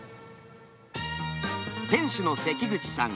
店主の関口さん。